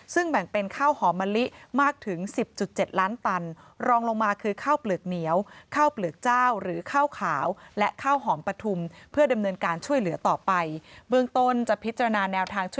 ซึ่งแบ่งเป็นข้าวหอมมะลิมากถึง๑๐๗ล้านตัน